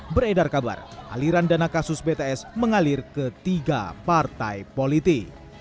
beredar kabar aliran dana kasus bts mengalir ke tiga partai politik